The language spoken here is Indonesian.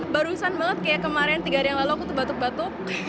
barusan banget kayak kemarin tiga hari yang lalu aku tuh batuk batuk